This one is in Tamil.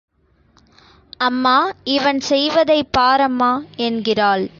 அம்மா இவன் செய்வதைப் பாரம்மா என்கிறாள்.